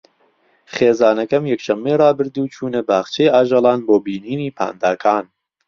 خێزانەکەم یەکشەممەی ڕابردوو چوونە باخچەی ئاژەڵان بۆ بینینی پانداکان.